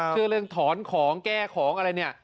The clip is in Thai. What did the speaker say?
เชื่อเรื่องถอนของแก้ของอะไรเนี่ย